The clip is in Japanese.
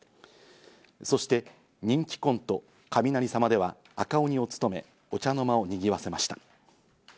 そして人気コント・雷様では赤鬼を務め、お茶の間をにぎわせました。